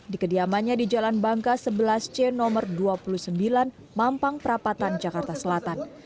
di kediamannya di jalan bangka sebelas c nomor dua puluh sembilan mampang perapatan jakarta selatan